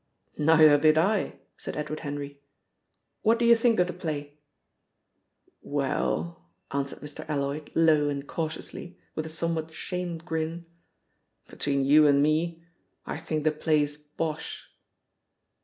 "Neither did I!" said Edward Henry. "What do you think of the play?" "Well," answered Mr. Alloyd low and cautiously, with a somewhat shamed grin, "between you and me, I think the play's bosh."